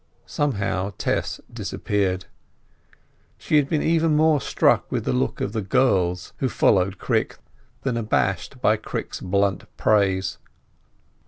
Somehow Tess disappeared. She had been even more struck with the look of the girls who followed Crick than abashed by Crick's blunt praise.